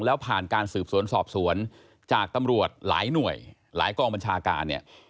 แล้วผ่านการสืบสวนสอบสวนจากตำรวจหลายหน่วยหลายกองบัญชาการเนี่ย